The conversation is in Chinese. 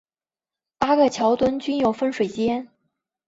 八个桥墩均有分水尖。